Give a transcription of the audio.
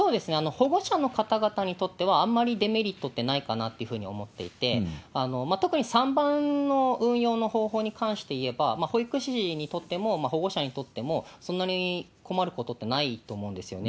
保護者の方々にとっては、あんまりデメリットってないかなと思っていて、特に３番の運用の方法に関して言えば、保育士にとっても保護者にとっても、そんなに困ることってないと思うんですよね。